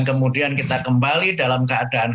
kemudian kita kembali dalam keadaan